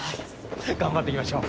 頑張っていきましょう。